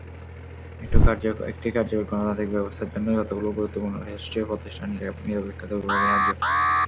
একটি কার্যকর গণতান্ত্রিক ব্যবস্থার জন্য কতগুলো গুরুত্বপূর্ণ রাষ্ট্রীয় প্রতিষ্ঠানের নিরপেক্ষতা অপরিহার্য।